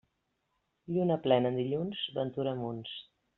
Lluna plena en dilluns, ventura a munts.